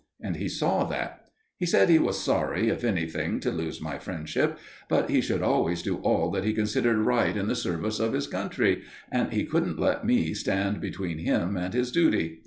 And he saw that. He said he was sorry, if anything, to lose my friendship, but he should always do all that he considered right in the service of his country, and he couldn't let me stand between him and his duty.